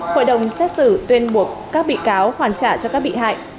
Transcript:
hội đồng xét xử tuyên buộc các bị cáo hoàn trả cho các bị hại